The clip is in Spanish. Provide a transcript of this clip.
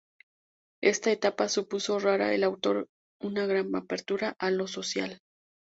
Esta etapa supuso para el autor una gran apertura a lo social.